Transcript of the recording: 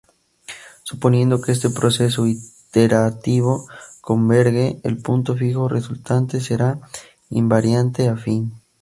Suponiendo que este proceso iterativo converge, el punto fijo resultante será "invariante afín".